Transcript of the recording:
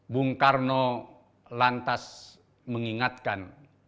bung karno lantas mengingatkan